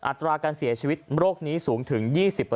อัตราการเสียชีวิตโรคนี้สูงถึง๒๐